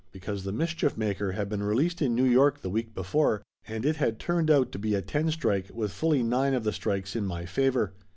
Because The Mis chief Maker had been released in New York the week before and it had turned out to be a ten strike with fully nine of the strikes in my favor.